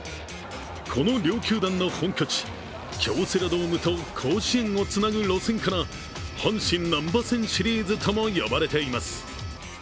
この両球団の本拠地、京セラドームと甲子園をつなぐ路線から阪神なんば線シリーズとも呼ばれています。